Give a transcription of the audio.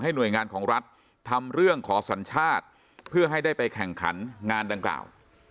หน่วยงานของรัฐทำเรื่องขอสัญชาติเพื่อให้ได้ไปแข่งขันงานดังกล่าว